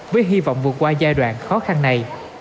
với hy vọng vượt qua giai đoạn khó khăn này